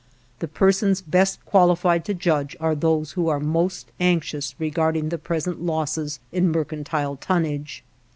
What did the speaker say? The persons best qualified to judge are those who are most anxious regarding the present losses in mercantile tonnage.